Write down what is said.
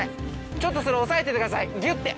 ちょっとそれ押さえててくださいギュって。